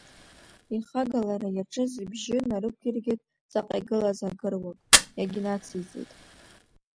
Ихагалара иаҿыз ибжьы нарықәиргеит ҵаҟа игылаз агыруак, иагьнациҵеит…